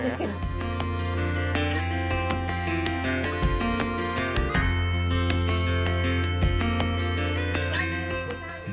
sangatnya itu ya